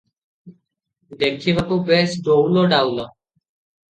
ଦେଖିବାକୁ ବେଶ ଡଉଲ ଡାଉଲ ।